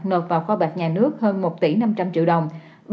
nộp vào kho bạc nhà nước hơn một tỷ năm trăm linh triệu đồng